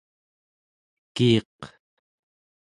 kiiq